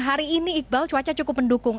hari ini iqbal cuaca cukup mendukung